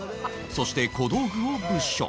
そして小道具を物色